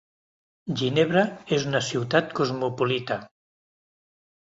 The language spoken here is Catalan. Ginebra és una ciutat cosmopolita.